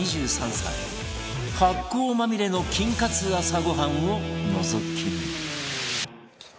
発酵まみれの菌活朝ごはんをのぞき見